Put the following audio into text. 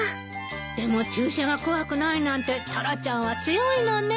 でも注射が怖くないなんてタラちゃんは強いのね。